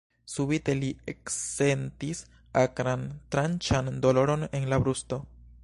Subite li eksentis akran, tranĉan doloron en la brusto.